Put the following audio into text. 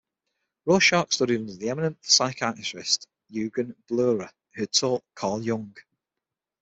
Rorschach studied under the eminent psychiatrist Eugen Bleuler, who had taught Carl Jung.